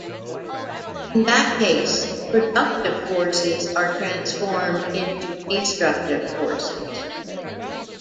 In that case, productive forces are transformed into destructive forces.